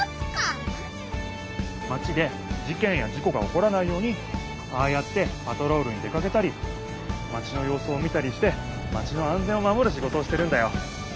マチでじけんやじこがおこらないようにああやってパトロールに出かけたりマチのようすを見たりしてマチのあんぜんをまもるシゴトをしてるんだよ。